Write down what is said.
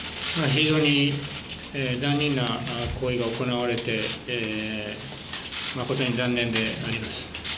非常に残忍な行為がおこなわれて、誠に残念であります。